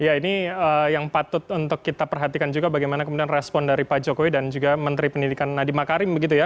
ya ini yang patut untuk kita perhatikan juga bagaimana kemudian respon dari pak jokowi dan juga menteri pendidikan nadiem makarim begitu ya